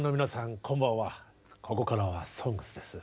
こんばんはここからは「ＳＯＮＧＳ」です。